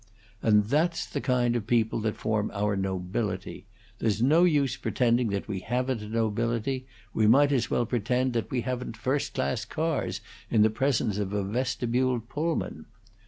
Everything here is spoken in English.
And that's the kind of people that form our nobility; there's no use pretending that we haven't a nobility; we might as well pretend we haven't first class cars in the presence of a vestibuled Pullman.